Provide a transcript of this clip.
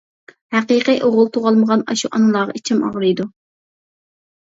ھەقىقىي ئوغۇل تۇغالمىغان ئاشۇ ئانىلارغا ئىچىم ئاغرىيدۇ.